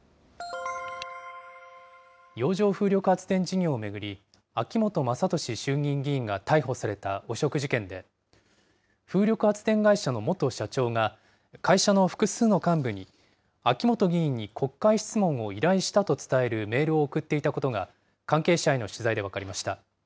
洋上風力発電事業を巡り、秋本真利衆議院議員が逮捕された汚職事件で、風力発電会社の元社長が、会社の複数の幹部に、秋本議員に国会質問を依頼したと伝えるメールを送っていたことが、関係者への取材で分かりました。